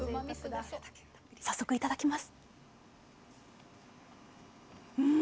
早速いただきます！